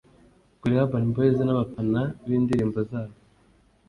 Kuri Urban Boyz n’abafana b’indirimbo zabo